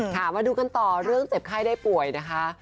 มาดูกันต่อเรื่องเจ็บไข้ได้ป่วยนะคะ